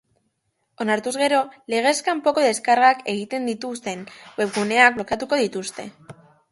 Onartuz gero, legez kanpoko deskargak egiten dituzten webguneak blokeatuko dituzte.